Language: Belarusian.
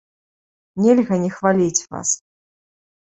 Нельга не хваліць вас.